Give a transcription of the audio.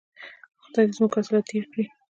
خدای دې زموږ حاصلات ډیر کړي.